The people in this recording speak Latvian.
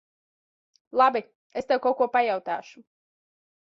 Labi. Es tev kaut ko pajautāšu.